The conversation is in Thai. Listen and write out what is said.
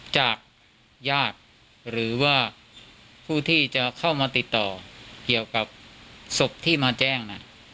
จากญาติหรือว่าผู้ที่จะเข้ามาติดต่อเกี่ยวกับศพที่มาแจ้ง